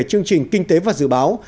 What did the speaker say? chương trình kinh tế và dự báo